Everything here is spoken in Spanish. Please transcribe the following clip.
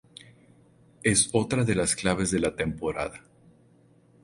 Es otra de las claves de la temporada".